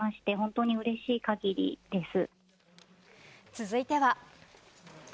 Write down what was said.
続いては。